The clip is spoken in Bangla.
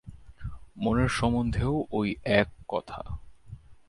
মনের সম্বন্ধেও ঐ এক কথা।